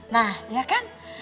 nah ya kan